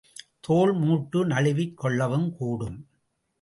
தோள் மூட்டு நழுவிக் கொள்ளவும் கூடும்.